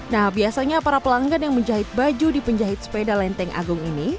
nah biasanya para pelanggan yang menjahit baju di penjahit sepeda lenteng agung ini